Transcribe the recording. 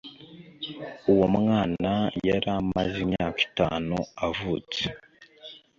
uwo mwana yari amaze imyaka itanu avutse